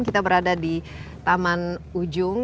kita berada di taman ujung